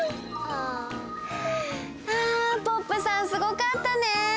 あポップさんすごかったね！